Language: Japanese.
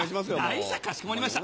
代車かしこまりました。